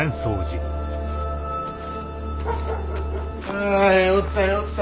あ酔った酔った。